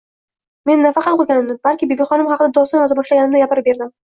Men nafaqat o’qiganimni, hatto Bibixonim haqida doston yoza boshlaganimni gapirib berdim.